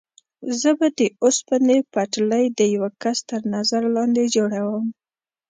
زه به د اوسپنې پټلۍ د یوه کس تر نظر لاندې جوړوم.